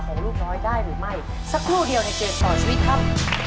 ลูกน้อยได้หรือไม่สักครู่เดียวในเกมต่อชีวิตครับ